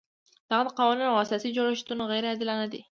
د هغه قوانین او اساسي جوړښتونه غیر عادلانه دي.